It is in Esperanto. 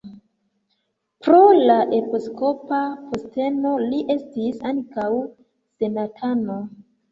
Pro la episkopa posteno li estis ankaŭ senatano.